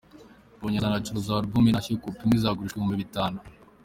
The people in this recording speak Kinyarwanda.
Mbonyi azanacuruza album ‘Intashyo’, kopi imwe izagurishwa ibihumbi bitanu.